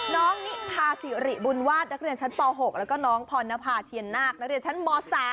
นิพาสิริบุญวาดนักเรียนชั้นป๖แล้วก็น้องพรณภาเทียนนาคนักเรียนชั้นม๓